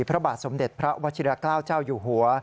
พระบาทสมเด็จพระวชิราเกล้าเจ้าอยู่หัว